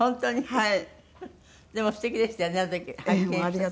はい。